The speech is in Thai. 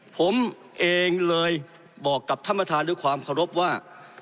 ผมเองเลยบอกกับท่านประธานด้วยความเคารพว่า